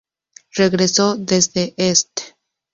Regreso: Desde Est.